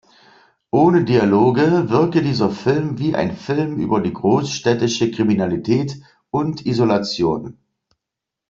Ohne Dialoge wirke dieser Film wie ein Film über die großstädtische Kriminalität und Isolation.